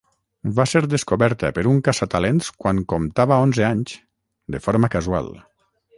Va ser descoberta per un caça-talents quan comptava onze anys, de forma casual.